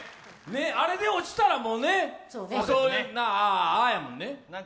あれで落ちたら「ああ」やもんね。